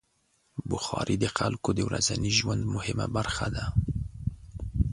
بخاري د خلکو د ورځني ژوند مهمه برخه ده.